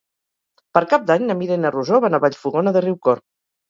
Per Cap d'Any na Mira i na Rosó van a Vallfogona de Riucorb.